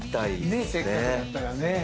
ねっせっかくやったらね。